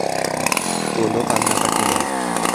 কোনো কান্নাকাটি নয়।